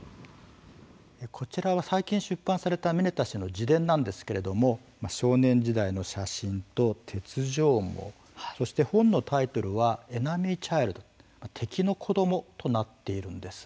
こちらは最近、出版されたミネタ氏の自伝なんですけれども少年時代の写真と鉄条網そして、本のタイトルは「ＥＮＥＭＹＣＨＩＬＤ」敵の子どもとなっているんです。